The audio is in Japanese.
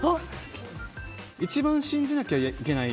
一番信じなきゃいけない。